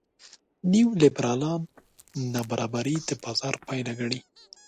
نیولېبرالان نابرابري د بازار پایله ګڼي.